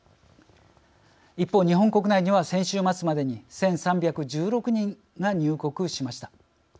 一方、日本国内には先週末までに１３１６人が入国しました。